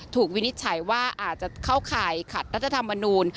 วินิจฉัยว่าอาจจะเข้าข่ายขัดรัฐธรรมนูล